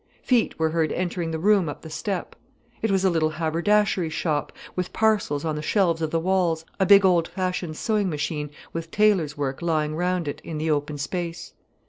Feet were heard entering the room up the step. It was a little haberdashery shop, with parcels on the shelves of the walls, a big, old fashioned sewing machine with tailor's work lying round it, in the open space.